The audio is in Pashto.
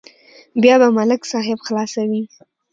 بیا به ملک صاحب خلاصوي.